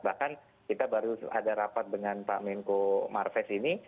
bahkan kita baru ada rapat dengan pak menko marves ini